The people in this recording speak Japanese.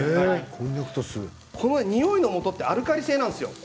においのもとってアルカリ性なんですよ。